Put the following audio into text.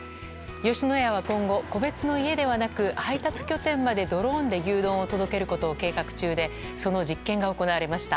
吉野家は今後個別の家ではなく配達拠点までドローンで牛丼を届けることを計画中でその実験が行われました。